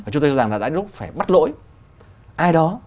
chúng tôi cho rằng là đã lúc phải bắt lỗi ai đó